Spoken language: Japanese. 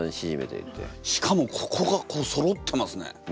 しかもここがこうそろってますね。